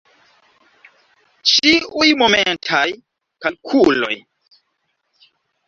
Ĉiuj momentaj kalkuloj.